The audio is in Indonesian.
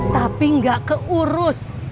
tapi gak keurus